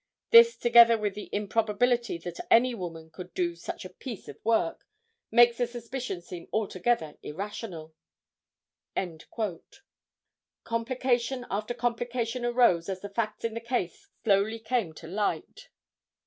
This, together with the improbability that any woman could do such a piece of work, makes the suspicion seem altogether irrational." Complication after complication arose as the facts in the case slowly came to light.